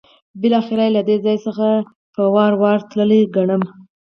بالاخره یې له دې ځای څخه په وار وار تللی ګڼم.